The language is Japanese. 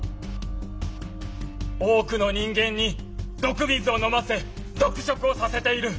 多くの人間に毒水を飲ませ毒食をさせている。